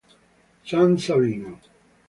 San Savino